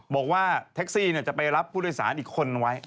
บอกว่าแท็กซี่จะไปรับผู้โดยสารอีกคนไว้